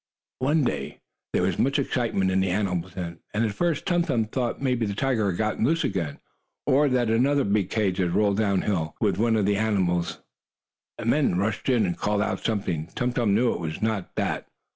One day there was much excitement in the animal tent, and at first Tum Tum thought maybe the tiger had gotten loose again, or that another big cage had rolled down hill. When one of the animal men rushed in and called out something, Tum Tum knew it was not that.